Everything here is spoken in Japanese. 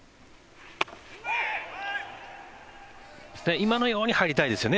今のように入りたいですよね